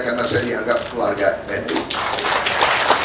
karena saya dianggap keluarga pendek